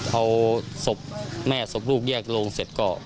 เอาศพแม่ศพลูกแยกโรงเสร็จก็